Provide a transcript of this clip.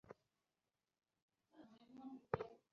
ভারতে ব্রহ্মের কোন মন্দির দেখিতে পাইবে না।